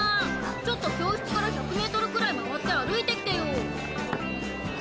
ちょっと教室から１００ｍくらい回って歩いてきてよ。